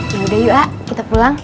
ya udah yuk a kita pulang